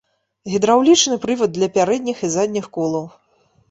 Гідраўлічны прывад для пярэдніх і задніх колаў.